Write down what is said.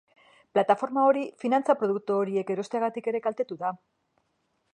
Plataforma hori finantza produktu horiek erosteagatik ere kaltetu da.